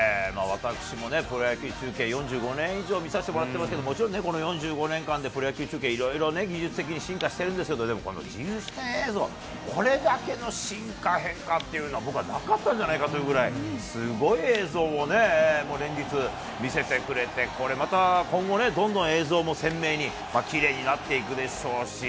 私もプロ野球中継、４５年以上見させてもらってますけど、もちろん、この４５年間でプロ野球中継、いろいろ技術的に進化してるんですけど、でもこの自由視点映像、これだけの進化、変化っていうのは、僕はなかったんじゃないかというぐらい、すごい映像を連日、見せてくれて、これまた今後ね、どんどん映像も鮮明に、きれいになっていくでしょうし。